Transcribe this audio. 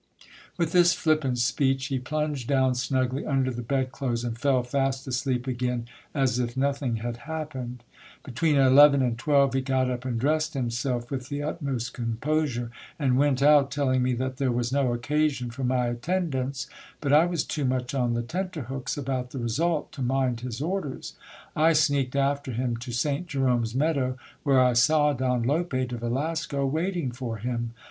With this flippant speech he plunged down snugly under the bed clothes and fell fast asleep again as if nothing had happened. Between eleven and twelve he got up and dressed himself with the utmost composure, and went out, telling me that there was no occasion for my attend ance : but I was 'too much on the tenterhooks about the result to mind his orders. I sneaked after him to Saint Jerome's meadow, where I saw Don Lope de Velasco waiting for him.